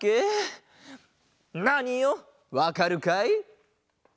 ナーニよわかるかい？